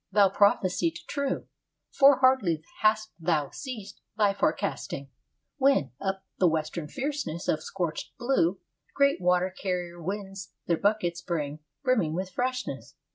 Thou prophesiest true. For hardly hast thou ceased thy forecasting, When, up the western fierceness of scorched blue, Great water carrier winds their buckets bring Brimming with freshness.